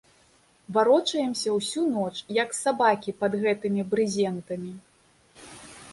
Варочаемся ўсю ноч, як сабакі, пад гэтымі брызентамі.